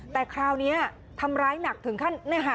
แต่คราวนี้ทำร้ายหนักถึงขั้น